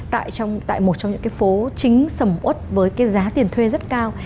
tại một trong những cái phố chính sầm ớt với cái giá tiền thuê rất cao